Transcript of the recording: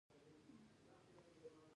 په ذکرونو مې هم د زړه کرار نه راته.